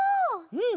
うん。